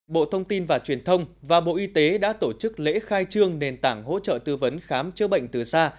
bộ thông tin và truyền thông và bộ y tế đã tổ chức lễ khai trương nền tảng hỗ trợ tư vấn khám chữa bệnh từ xa